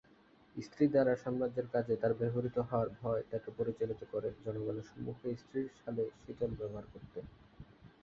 স্ত্রী দ্বারা সাম্রাজ্যের কাজে তার ব্যবহৃত হওয়ার ভয় তাকে পরিচালিত করে জনগণের সম্মুখে স্ত্রীর সালে শীতল ব্যবহার করতে।